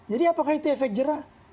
jadi apakah itu efek jerah